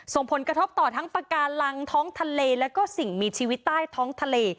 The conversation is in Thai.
ส่งผลกระทบต่อทั้งปากการังท้องทะเลแล้วก็สิ่งมีชีวิตใต้ท้องทะเล